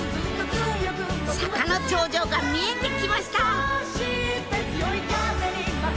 坂の頂上が見えてきました！